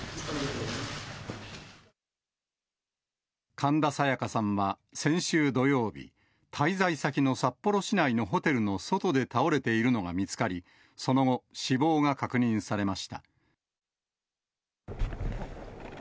神田沙也加さんは先週土曜日、滞在先の札幌市内のホテルの外で倒れているのが見つかり、その後、死亡が確認されました。